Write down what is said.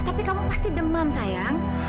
tapi kamu pasti demam sayang